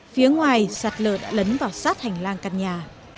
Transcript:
phía ngoài sạt lở đã lấn vào sát hành lang căn nhà